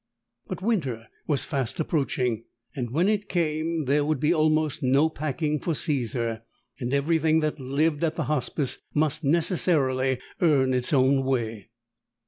But winter was fast approaching, and when it came, there would be almost no packing for Caesar, and everything that lived at the Hospice must necessarily earn its own way.